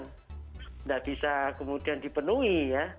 tidak bisa kemudian dipenuhi ya